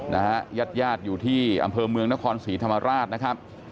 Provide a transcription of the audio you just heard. นะฮะยัดอยู่ที่อำเภอเมืองนครศรีธรมาราชนะครับ